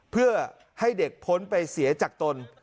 เพื่อให้เด็กพ้นไปเสียจากตน